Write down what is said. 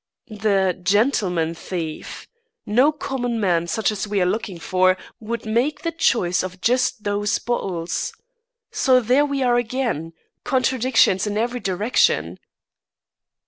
"The gentleman thief! No common man such as we are looking for, would make choice of just those bottles. So there we are again! Contradictions in every direction."